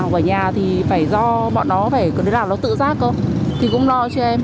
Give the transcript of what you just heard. học ở nhà thì phải do bọn nó phải có thể làm nó tự giác không thì cũng lo cho em